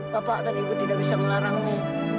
bapak dan ibu tidak bisa melarangnya